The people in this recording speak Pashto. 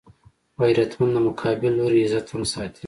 غیرتمند د مقابل لوري عزت هم ساتي